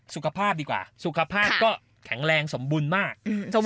สุขภาพดีกว่าสุขภาพก็แข็งแรงสมบูรณ์มาก